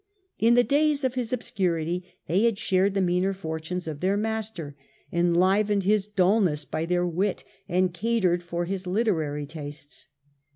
In the days of his obscurity they had shared the meaner fortunes of their master, enlivened his dul ness by their wit, and catered for his literary tastes.